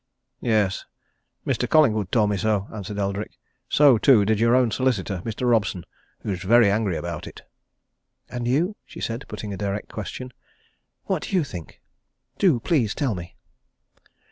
"Yes Mr. Collingwood told me so," answered Eldrick. "So, too, did your own solicitor, Mr. Robson who's very angry about it." "And you?" she said, putting a direct question. "What do you think? Do please, tell me!"